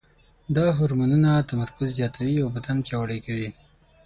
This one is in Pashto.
دا هورمونونه تمرکز زیاتوي او بدن پیاوړی کوي.